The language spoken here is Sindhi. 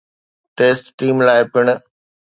ٽيسٽ ٽيم لاء پڻ